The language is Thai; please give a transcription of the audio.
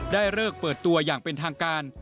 เลิกเปิดตัวอย่างเป็นทางการ